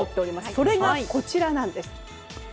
それがこちらなんです。